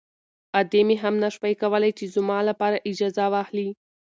ادې مې هم نه شوای کولی چې زما لپاره اجازه واخلي.